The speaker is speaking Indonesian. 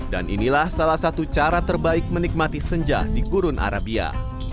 dan inilah salah satu cara terbaik menikmati senja di gurun arabia